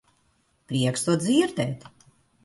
Prieks to dzirdēt.